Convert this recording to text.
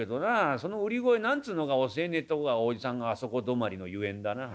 その売り声何つうのか教えねえとこがおじさんがあそこ止まりのゆえんだな。